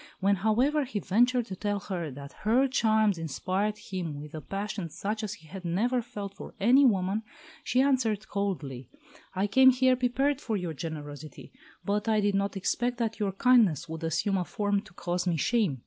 When, however, he ventured to tell her that "her charms inspired him with a passion such as he had never felt for any woman," she answered coldly, "I came here prepared for your generosity, but I did not expect that your kindness would assume a form to cause me shame.